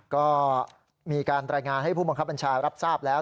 ก็มีการรายงานให้ผู้บังคับบัญชารับทราบแล้ว